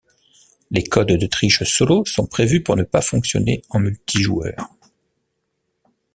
Les codes de triche solo sont prévus pour ne pas fonctionner en multijoueur.